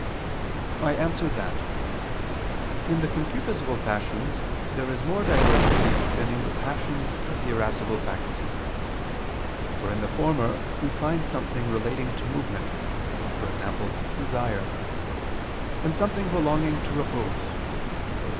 I answer that, In the concupiscible passions there is more diversity than in the passions of the irascible faculty. For in the former we find something relating to movement e.g. desire; and something belonging to repose, e.g.